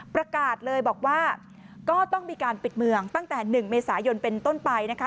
ประกาศเลยบอกว่าก็ต้องมีการปิดเมืองตั้งแต่๑เมษายนเป็นต้นไปนะคะ